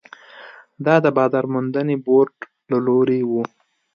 دا د بازار موندنې بورډ له لوري وو.